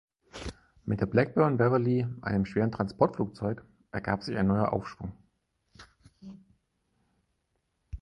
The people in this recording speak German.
Mit der Blackburn Beverley, einem schweren Transportflugzeug, ergab sich ein neuer Aufschwung.